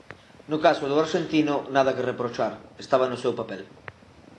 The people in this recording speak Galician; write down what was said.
No caso do arxentino, nada que reprochar, estaba no seu papel.